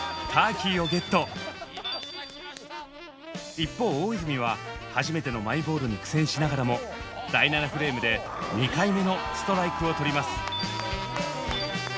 一方大泉は初めてのマイボールに苦戦しながらも第７フレームで２回目のストライクをとります。